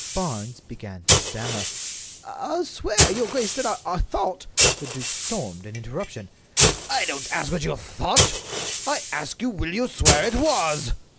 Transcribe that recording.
Barnes began to stammer: "I'll swear, your grace, that I—I thought—" The duke stormed an interruption: "I don't ask what you thought. I ask you, will you swear it was?"